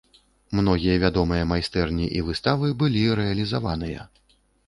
Многія вядомыя майстэрні і выставы былі рэалізаваныя.